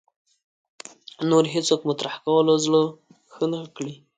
نور هېڅوک مطرح کولو زړه ښه نه کړي